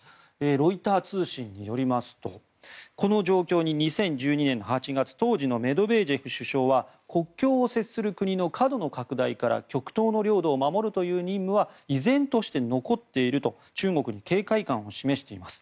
ロイター通信によりますとこの状況に２０１２年８月当時のメドベージェフ首相は国境を接する国の過度の拡大から極東の領土を守るという任務は依然として残っていると中国に警戒感を示しています。